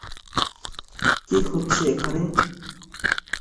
কী হচ্ছে এখানে?